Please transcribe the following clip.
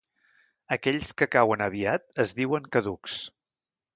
Aquells que cauen aviat es diuen caducs.